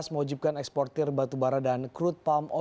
mewajibkan eksportir batubara dan crude palm